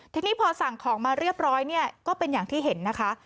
ทีนี้พอสั่งของมาเรียบร้อยเนี่ยก็เป็นอย่างที่เห็นนะคะ